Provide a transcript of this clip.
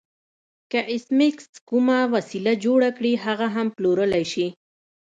که ایس میکس کومه وسیله جوړه کړي هغه هم پلورلی شي